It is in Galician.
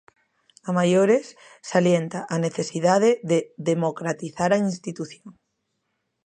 A maiores, salienta a necesidade de democratizar a institución.